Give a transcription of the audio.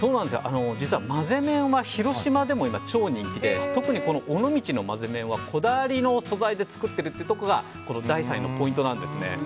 実はまぜ麺は広島でも超人気で、特に尾道のまぜ麺はこだわりの素材で作っているところが第３位のポイントなんです。